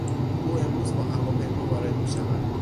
او امروز با هواپیما وارد میشود.